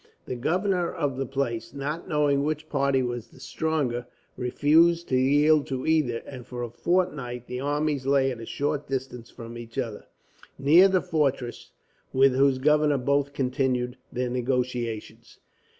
The governor of the place, not knowing which party was the stronger, refused to yield to either; and for a fortnight the armies lay at a short distance from each other, near the fortress, with whose governor both continued their negotiations.